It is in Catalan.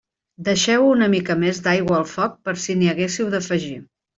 Deixeu una mica més d'aigua al foc per si n'hi haguéssiu d'afegir.